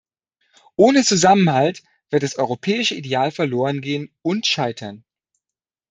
Ohne Zusammenhalt wird das europäische Ideal verloren gehen und scheitern.